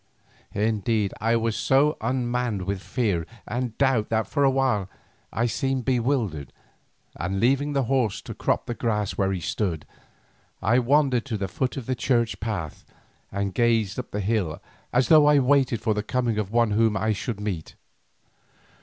Indeed I was so unmanned with fear and doubt that for a while I seemed bewildered, and leaving the horse to crop the grass where he stood, I wandered to the foot of the church path and gazed up the hill as though I waited for the coming of one whom I should meet.